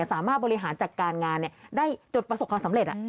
สามารถบริหารจัดการงานได้จนประสบความสำเร็จ